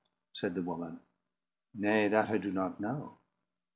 said the woman. "Nay, that I do not know."